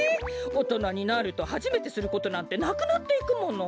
おとなになるとはじめてすることなんてなくなっていくもの。